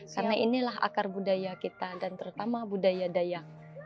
karena inilah akar budaya kita dan terutama budaya dayang